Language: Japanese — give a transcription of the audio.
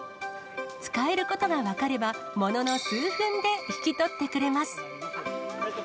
使えることが分かれば、ものの数分で引き取ってくれます。